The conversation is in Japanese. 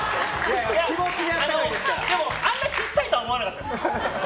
でも、あんなに小さいとは思わなかったです。